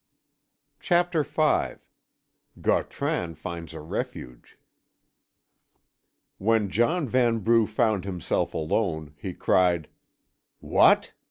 CHAPTER V GAUTRAN FINDS A REFUGE When John Vanbrugh found himself alone he cried: "What!